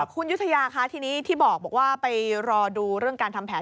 คุณยุธยาคะทีนี้ที่บอกว่าไปรอดูเรื่องการทำแผน